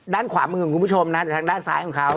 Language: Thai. ด้านขวามือของคุณผู้ชมนะทางด้านซ้ายของเขา